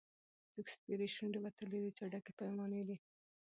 څوک سپېرې شونډي وتلي د چا ډکي پیمانې دي